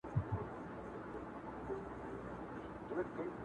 زما او د پښتونخوا د سترګو تور منظور٫